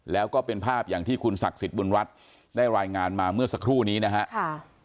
แล้วก็เป็นภาพอย่างที่คุณศักดิ์สิทธิ์บุญรัฐได้รายงานมาเมื่อสักครู่นี้นะครับ